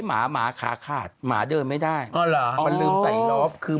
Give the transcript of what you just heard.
เพราะว่าถ้าสมมติจะไปอีกคน